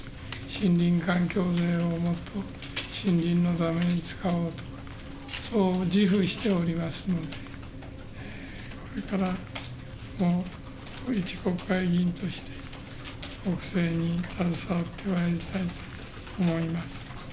森林環境税をもっと森林のために使おうと、そう自負しておりますので、それから、いち国会議員として、国政に携わってまいりたいと思います。